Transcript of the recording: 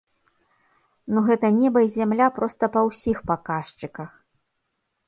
Ну гэта неба і зямля проста па ўсіх паказчыках!